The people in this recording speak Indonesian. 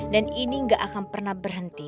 dan ini gak akan pernah berhenti